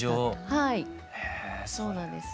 はいそうなんです。